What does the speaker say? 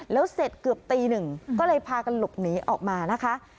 แล้วเสร็จเกือบตีหนึ่งก็เลยพากันหลบหนีออกมานะคะ